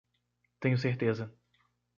Tenho certeza